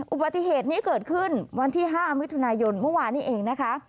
อุบัติเหตุนี้เกิดขึ้นวันที่๕มิถุนายนเมื่อวานนี้เองนะคะ